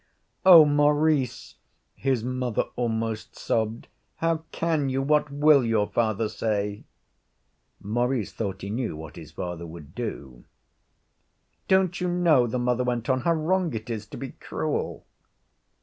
'Oh, Maurice!' his mother almost sobbed, 'how can you? What will your father say?' Maurice thought he knew what his father would do. 'Don't you know,' the mother went on, 'how wrong it is to be cruel?'